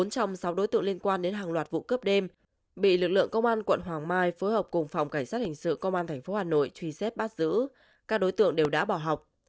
bốn trong sáu đối tượng liên quan đến hàng loạt vụ cướp đêm bị lực lượng công an quận hoàng mai phối hợp cùng phòng cảnh sát hình sự công an tp hà nội truy xét bắt giữ các đối tượng đều đã bỏ học